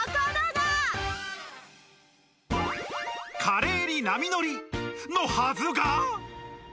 華麗に波乗り、のはずが。